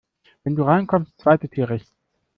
Wenn du reinkommst, zweite Tür rechts.